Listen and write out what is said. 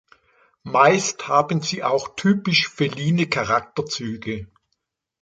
Meist haben sie auch typisch feline Charakterzüge.